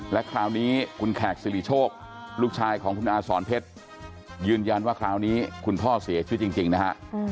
และคราวนี้คุณแขกสิริโชคลูกชายของคุณอาสอนเพชรยืนยันว่าคราวนี้คุณพ่อเสียชีวิตจริงนะฮะ